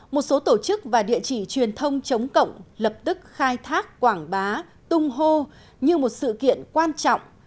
một số tổ chức và địa chỉ truyền thông chống cộng lập tức khai thác quảng bá tung hô như một sự kiện quan trọng